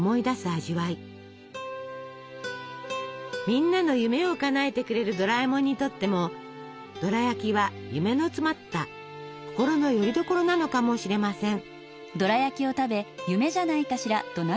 みんなの夢をかなえてくれるドラえもんにとってもドラやきは夢の詰まった心のよりどころなのかもしれません。